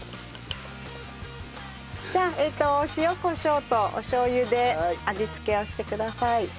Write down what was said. じゃあえっと塩コショウとおしょう油で味付けをしてください。